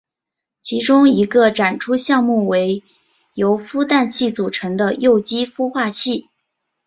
其中一个展出项目为由孵蛋器组成的幼鸡孵化器。